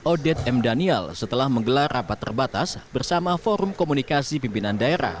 odet m daniel setelah menggelar rapat terbatas bersama forum komunikasi pimpinan daerah